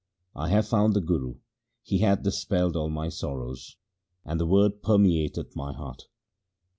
I have found the Guru ; he hath dispelled all my sorrows, and the Word permeateth my heart.